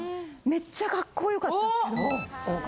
めっちゃかっこよかった。